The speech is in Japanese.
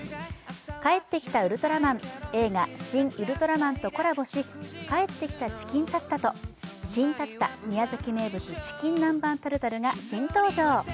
「帰ってきたウルトラマン」、映画「シン・ウルトラマン」とコラボし帰ってきたチキンタツタと、シン・タツタ宮崎名物チキン南蛮タルタルが新登場。